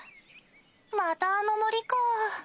またあの森かぁ。